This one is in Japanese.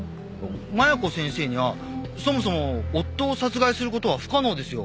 麻弥子先生にはそもそも夫を殺害する事は不可能ですよ。